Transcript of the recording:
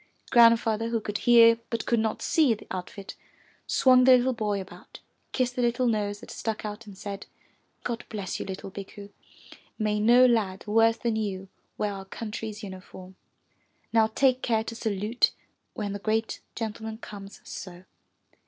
Grandfather, who could hear but could not see the outfit, swung the little boy about, kissed the little nose that stuck out and said, *'God bless you little Bikku, may no lad worse than you wear our country's uniform. Now take care to salute when the great gentleman comes — so.''